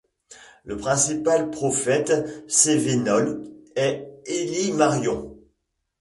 Le principal prophète cévenol est Élie Marion.